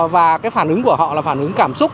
và cái phản ứng của họ là phản ứng cảm xúc